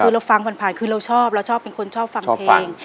คือเราฟังผ่านคือเราชอบเราชอบเป็นคนชอบฟังเพลง